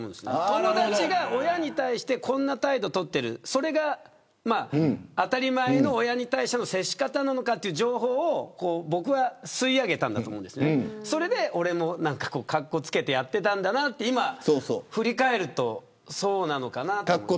友達が親に対してこんな態度をとってるそれが当たり前の親に対しての接し方なのかという情報を僕は吸い上げたんだと思うんですそれで俺もかっこつけてやってたんだなと今、振り返るとそうなのかなって。